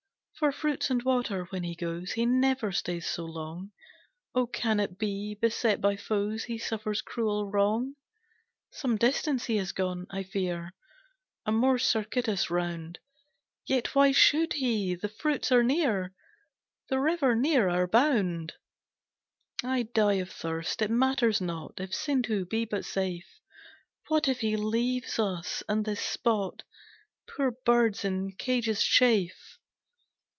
"For fruits and water when he goes He never stays so long, Oh can it be, beset by foes, He suffers cruel wrong? "Some distance he has gone, I fear, A more circuitous round, Yet why should he? The fruits are near, The river near our bound. "I die of thirst, it matters not If Sindhu be but safe, What if he leave us, and this spot, Poor birds in cages chafe.